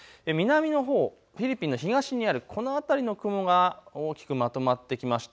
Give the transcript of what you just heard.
南のほうフィリピンの東にあるこの雲が大きくまとまってきました。